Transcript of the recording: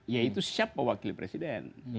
yaitu siapa wakil presiden